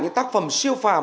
những tác phẩm siêu phàm